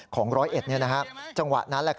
ของร้อยเอ็ดจังหวะนั้น